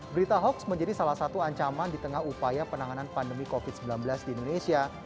berita hoax menjadi salah satu ancaman di tengah upaya penanganan pandemi covid sembilan belas di indonesia